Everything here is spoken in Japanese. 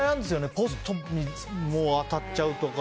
ポストに当たっちゃうとか。